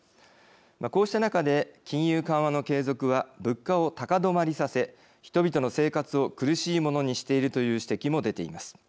こうした中で金融緩和の継続は物価を高止まりさせ人々の生活を苦しいものにしているという指摘も出ています。